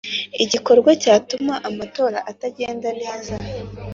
igikorwa cyatuma amatora atagenda neza.